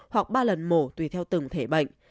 hoặc ba lần mổ tùy theo từng thể bệnh